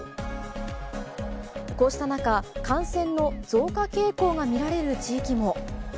こうした中、感染の増加傾向が見られる地域も。